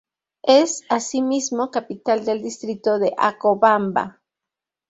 Es asimismo capital del distrito de Acobamba.